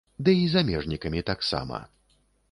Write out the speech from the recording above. Ды і замежнікамі таксама.